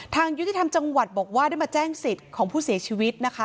ยุติธรรมจังหวัดบอกว่าได้มาแจ้งสิทธิ์ของผู้เสียชีวิตนะคะ